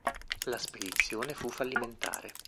La spedizione fu fallimentare.